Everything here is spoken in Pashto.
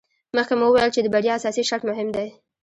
مخکې مو وویل چې د بریا اساسي شرط مهم دی.